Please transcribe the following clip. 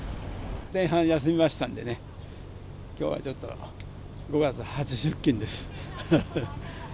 前半休みましたんでね、きょうはちょっと、５月初出勤です。